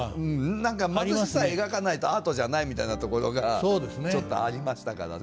何か貧しさ描かないとアートじゃないみたいなところがちょっとありましたからね。